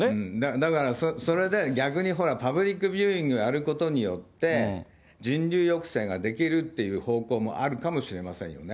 だからそれで、逆にパブリックビューイングがあることによって、人流抑制ができるっていう方向もあるかもしれませんよね。